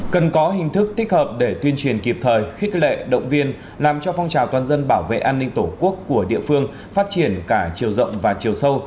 cần có hình thức tích hợp để tuyên truyền kịp thời khích lệ động viên làm cho phong trào toàn dân bảo vệ an ninh tổ quốc của địa phương phát triển cả chiều rộng và chiều sâu